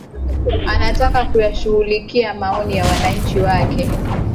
anataka kuyashughulikia maoni ya wananchi wake